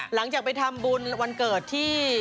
หลังจากไปทำบุญวันเกิดที่